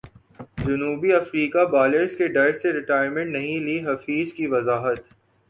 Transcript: جنوبی افریقی بالرز کے ڈر سے ریٹائرمنٹ نہیں لی حفیظ کی وضاحت